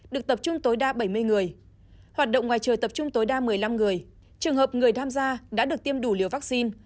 được tập trung tối đa bảy mươi người hoạt động ngoài trời tập trung tối đa một mươi năm người trường hợp người tham gia đã được tiêm đủ liều vaccine